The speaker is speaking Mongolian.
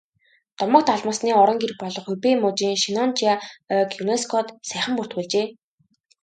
Домогт алмасны орон гэр болох Хубэй мужийн Шеннонжиа ойг ЮНЕСКО-д саяхан бүртгүүлжээ.